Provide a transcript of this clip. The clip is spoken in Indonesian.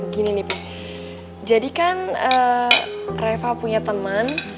gini nih pak jadikan reva punya teman